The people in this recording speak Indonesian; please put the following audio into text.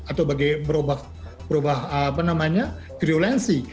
atau berubah kriulensi